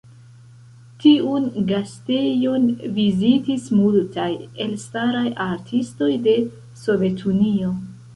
Tiun gastejon vizitis multaj elstaraj artistoj de Sovetunio.